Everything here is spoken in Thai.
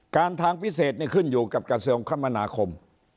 ทางพิเศษขึ้นอยู่กับกระทรวงคมนาคม